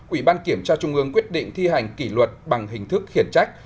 ủy ban kiểm tra trung ương quyết định thi hành kỷ luật bằng hình thức khiển trách